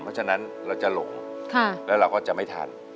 เพราะฉะนั้นเราจะหลงแล้วเราก็จะไม่ทัน